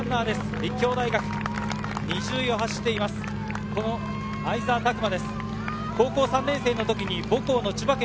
立教大学、２０位を走っています、相澤拓摩。